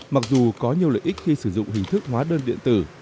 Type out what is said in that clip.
mặc dù có nhiều lợi ích khi sử dụng hình thức hóa đơn điện tử